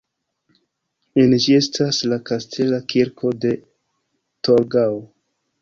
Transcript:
En ĝi estas la Kastela kirko de Torgau.